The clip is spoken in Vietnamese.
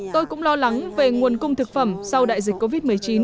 tôi cũng lo lắng về nguồn cung thực phẩm sau đại dịch covid một mươi chín